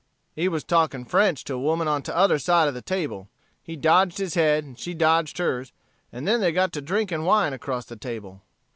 He was talking French to a woman on t'other side of the table. He dodged his head and she dodged hers, and then they got to drinking wine across the table.